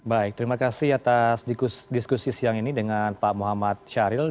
baik terima kasih atas diskusi siang ini dengan pak muhammad syahril